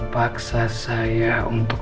paksa saya untuk